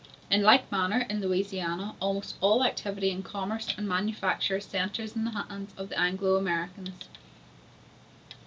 In like manner, in Louisiana, almost all activity in commerce and manufacture centres in the hands of the Anglo Americans.